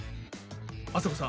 あさこさん